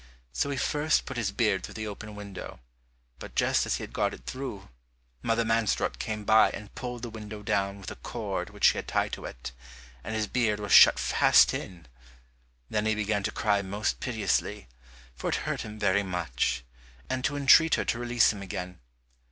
So he first put his beard through the open window, but just as he had got it through, Mother Mansrot came by and pulled the window down with a cord which she had tied to it, and his beard was shut fast in it. Then he began to cry most piteously, for it hurt him very much, and to entreat her to release him again.